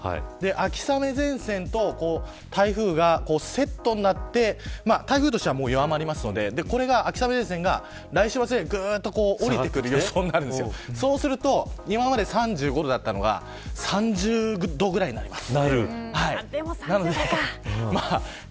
秋雨前線と台風がセットになって台風としては弱まるので秋雨前線が来週はぐっと降りてくる予想になっていてそうすると今まで３５度ぐらいだったのが３０度ぐらいになります。